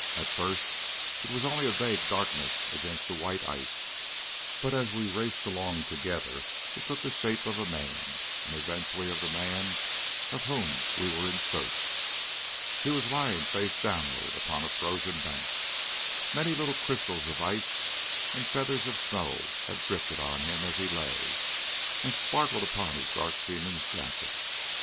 At first it was only a vague darkness against the white ice, but as we raced along together it took the shape of a man, and eventually of the man of whom we were in search. He was lying face downwards upon a frozen bank. Many little crystals of ice and feathers of snow had drifted on to him as he lay, and sparkled upon his dark seaman's jacket.